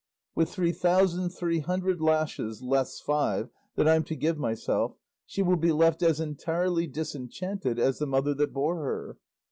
With three thousand three hundred lashes, less five, that I'm to give myself, she will be left as entirely disenchanted as the mother that bore her.